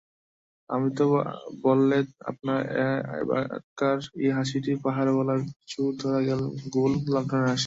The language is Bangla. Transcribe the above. অমিত বললে, আপনার এবারকার এই হাসিটি পাহারাওয়ালার চোর-ধরা গোল লণ্ঠনের হাসি।